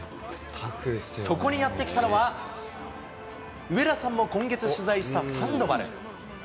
そこにやって来たのは、上田さんも今月、取材したサンドバル。